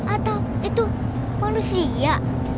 atau itu manusia